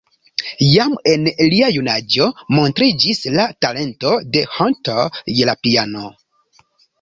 Jam en lia junaĝo montriĝis la talento de Hunter je la piano.